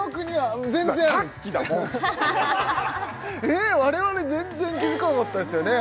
えっ我々全然気づかなかったですよね